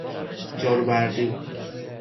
جارو برقی